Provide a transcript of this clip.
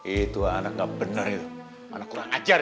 itu anak gak bener mana kurang ajar